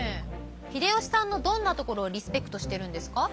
秀吉さんのどんなところをリスペクトしてるんですか？